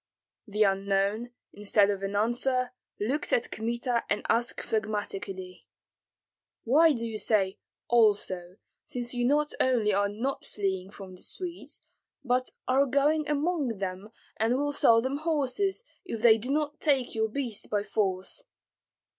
The unknown, instead of an answer, looked at Kmita and asked phlegmatically, "Why do you say also, since you not only are not fleeing from the Swedes, but are going among them and will sell them horses, if they do not take your beasts by force?"